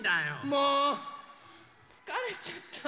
もうつかれちゃった。